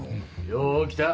よう来た！